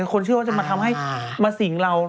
คนชื่อว่าจะมาสิ่งเรา